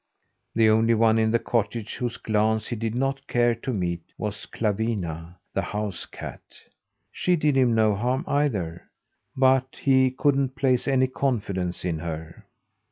The only one in the cottage whose glance he did not care to meet, was Clawina, the house cat. She did him no harm, either, but he couldn't place any confidence in her.